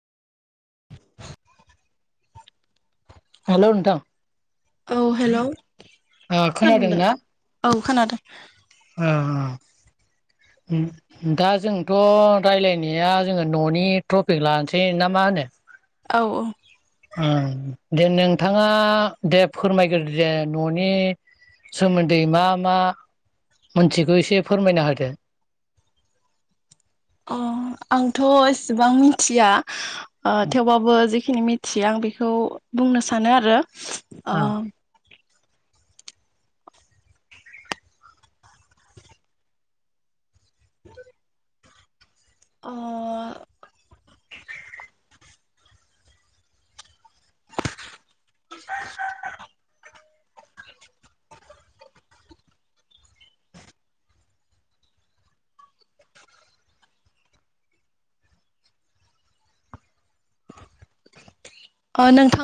हेल' नोंथां औ हेल' ओ खोनादों दा? खोनादोंना? औ खोनादों [inaudible] [unintelligible] ओम दा जोंथ' राय्लायनाया जोङो न'नि ट्रफिक लानोसै ना मा होनो औ ओम ओं दे नोंथाङा दे फोरमायग्रो दे न'नि सोमोन्दै मा मा मोनथिगौ एसे फोरमायना होदो [inaudible] [unintelligible] अ आंथ' एसेबां मिथिया ओ थेवबाबो जिखिनि मि थि आं बेखौ बुंनो सानो आरो ओं [inaudible] [unintelligible] ओ [inaudible] अ नोंथां